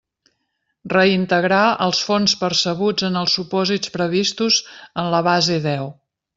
Reintegrar els fons percebuts en els supòsits previstos en la base deu.